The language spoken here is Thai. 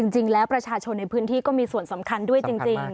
จริงแล้วประชาชนในพื้นที่ก็มีส่วนสำคัญด้วยจริง